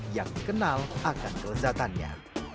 yang dikenal akan kelezatannya